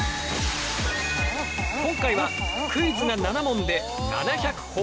今回はクイズが７問で７００ほぉポイント。